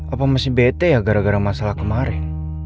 apa masih bete ya gara gara masalah kemarin